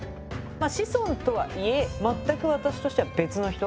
子孫とはいえ全く私としては別の人